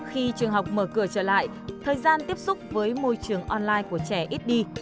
khi trường học mở cửa trở lại thời gian tiếp xúc với môi trường online của trẻ ít đi